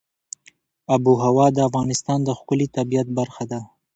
آب وهوا د افغانستان د ښکلي طبیعت برخه ده.